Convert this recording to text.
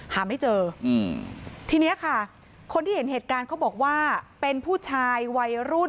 หาไม่เจออืมทีเนี้ยค่ะคนที่เห็นเหตุการณ์เขาบอกว่าเป็นผู้ชายวัยรุ่น